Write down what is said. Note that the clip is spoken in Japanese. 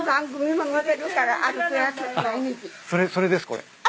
あっそれですこれ。